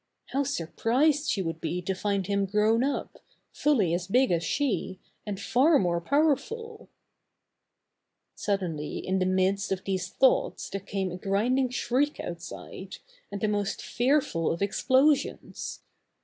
How surprised she would be to find him grown up, fully as big as she, and far more powerful ! Suddenly in the midst of these thoughts there came a grinding shriek outside, and the most fearful of explosions.